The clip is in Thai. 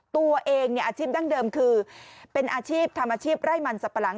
ตัวเองอาชีพดั้งเดิมคือเป็นอาชีพทำอาชีพไร่มันสับปะหลัง